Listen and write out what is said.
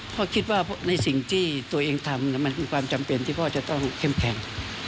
คิดว่าในสิ่งที่ตัวเองทำมันคือความจำเป็นที่พ่อจะต้องเข้มแข็ง